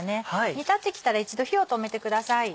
煮立ってきたら一度火を止めてください。